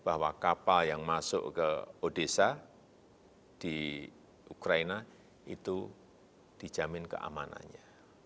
bahwa kapal yang masuk ke odessa di ukraina itu dijamin keamanannya